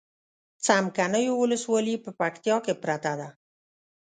څمکنيو ولسوالي په پکتيا کې پرته ده